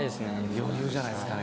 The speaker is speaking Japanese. ・余裕じゃないですかね・